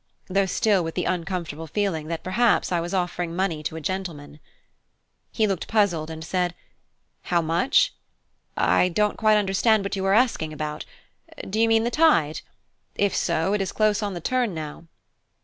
though still with the uncomfortable feeling that perhaps I was offering money to a gentleman. He looked puzzled, and said, "How much? I don't quite understand what you are asking about. Do you mean the tide? If so, it is close on the turn now."